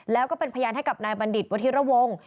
แล้วก็เป็นพยานให้กับนายบัณฑิตวธิระวง